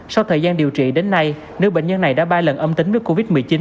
sau thời gian điều trị đến nay nữ bệnh nhân này đã ba lần âm tính với covid một mươi chín